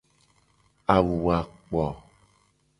Awu a kpo.